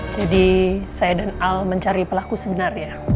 jadi saya dan al mencari pelaku sebenarnya